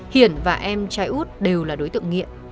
hiển và em trai út đều là đối tượng nghiện